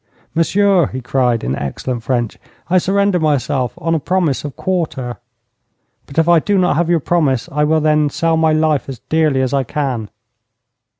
'Monsieur,' he cried, in excellent French, 'I surrender myself on a promise of quarter. But if I do not have your promise, I will then sell my life as dearly as I can.'